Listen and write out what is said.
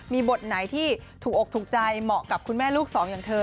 มีบทไหนที่ถูกอกถูกใจเหมาะกับคุณแม่ลูกสองอย่างเธอ